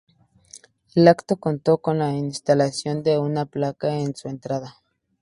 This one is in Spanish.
El acto contó con la instalación de una placa en su entrada.